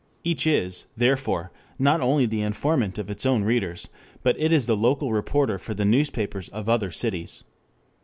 Each is, therefore, not only the informant of its own readers, but it is the local reporter for the newspapers of other cities.